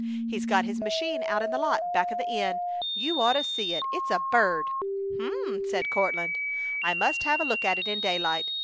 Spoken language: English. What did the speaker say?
He's got his machine out in the lot back o' the inn. You oughtta see it. It's a bird!" "H'm!" said Courtland. "I must have a look at it in daylight.